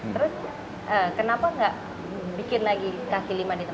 terus kenapa nggak bikin lagi kaki lima di tempat